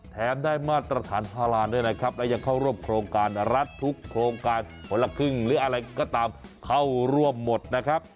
แถมได้มาตรฐานพารานด้วยนะครับและยังเข้าร่วมโครงการรัฐทุกโครงการคนละครึ่งหรืออะไรก็ตามเข้าร่วมหมดนะครับ